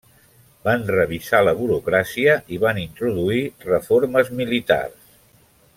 Van revisar la burocràcia i van introduir reformes militars.